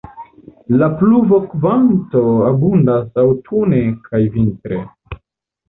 La pluvokvanto abundas aŭtune kaj vintre.